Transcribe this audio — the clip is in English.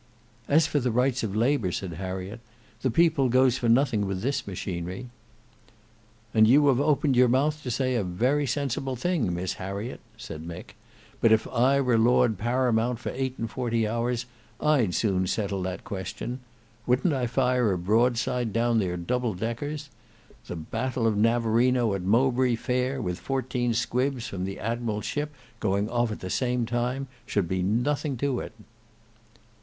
"As for the rights of labour," said Harriet, "the people goes for nothing with this machinery." "And you have opened your mouth to say a very sensible thing Miss Harriet," said Mick; "but if I were Lord Paramount for eight and forty hours, I'd soon settle that question. Wouldn't I fire a broadside into their 'double deckers?' The battle of Navarino at Mowbray fair with fourteen squibs from the admiral's ship going off at the same time, should be nothing to it."